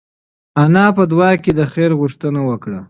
انا په دعا کې د خیر غوښتنه وکړه.